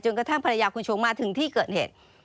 กระทั่งภรรยาคุณชงมาถึงที่เกิดเหตุ